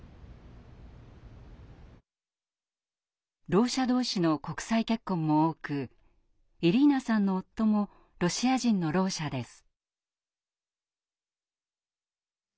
ろう者同士の国際結婚も多くイリーナさんの夫もロシア人のろう者です。